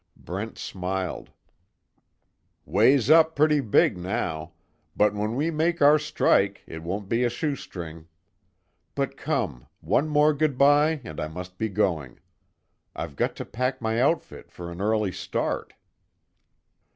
Brent smiled, "Weighs up pretty big now. But when we make our strike it won't be a shoestring. But come one more good bye and I must be going. I've got to pack my outfit for an early start."